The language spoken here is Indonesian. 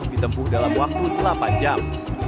ditempuh dalam waktu delapan jam